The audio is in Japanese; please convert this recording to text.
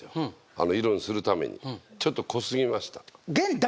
あの色にするためにうんちょっと濃すぎました